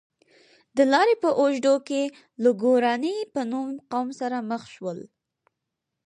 د لارې په اوږدو کې له ګوراني په نوم قوم سره مخ شول.